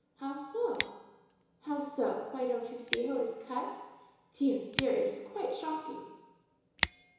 "How so?" "How so! Why, don't you see how it is cut? Dear—dear! it is quite shocking!"